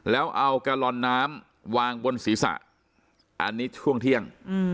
แล้วเอาแกลลอนน้ำวางบนศีรษะอันนี้ช่วงเที่ยง